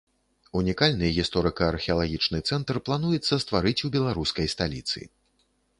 Унікальны гісторыка-археалагічны цэнтр плануецца стварыць у беларускай сталіцы.